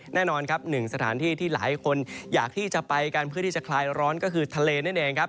แน่นอนครับหนึ่งสถานที่ที่หลายคนอยากที่จะไปกันเพื่อที่จะคลายร้อนก็คือทะเลนั่นเองครับ